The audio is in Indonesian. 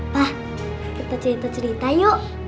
tah kita cerita cerita yuk